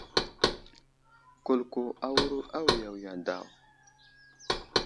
Kulko awuro awiya wiya daw.